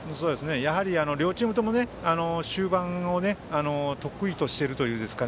やはり両チームとも終盤を得意としているというか